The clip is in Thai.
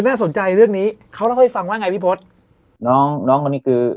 น่าสนใจเรื่องนี้เขาเล่าให้ฟังว่าไงพี่พศน้องน้องคนนี้คือ